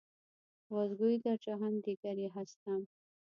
باز گوئی در جهان دیگری هستم.